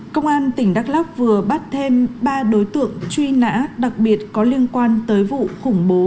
công an tỉnh đắk lóc vừa bắt thêm ba đối tượng truy nã đặc biệt có liên quan tới vụ khủng bố